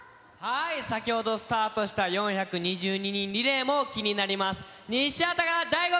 先ほどスタートした４２２人リレーも気になります。